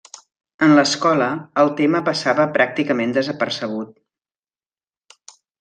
En l'escola, el tema passava pràcticament desapercebut.